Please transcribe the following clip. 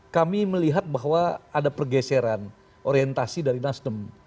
kami melihat bahwa ada pergeseran orientasi dari nasdem